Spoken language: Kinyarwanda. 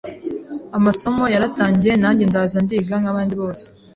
Amasomo yaratangiye, nanjye ndaza ndiga nk’abandi bose